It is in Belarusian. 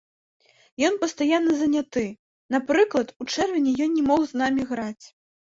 Ён пастаянна заняты, напрыклад, у чэрвені ён не мог з намі граць.